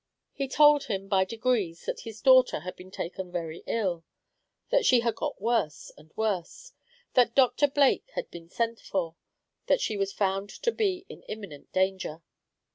He told him by degrees that his daughter had been taken very ill that she had got worse and worse that Doctor Blake had been sent for that she was found to be in imminent danger.